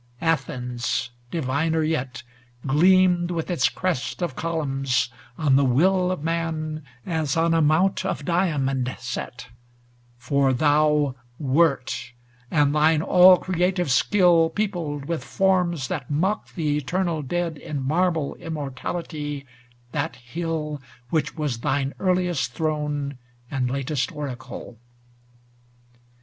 Athens, diviner yet, Gleamed with its crest of columns, on the will Of man, as on a mount of diamond, set; For thou wert, and thine all creative skill Peopled, with forms that mock the eternal dead In marble immortality, that hill Which was thine earliest throne and lat est oracle.